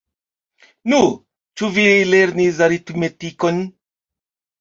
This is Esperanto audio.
Nu, ĉu vi lernis aritmetikon?